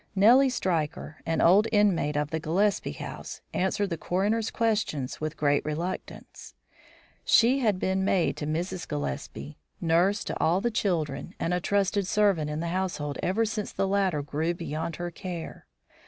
Nellie Stryker, an old inmate of the Gillespie house, answered the coroner's questions with great reluctance. She had been maid to Mrs. Gillespie, nurse to all the children, and a trusted servant in the household ever since the latter grew beyond her care.